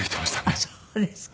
あっそうですか。